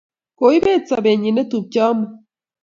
koibet sobenyi neptupcho amut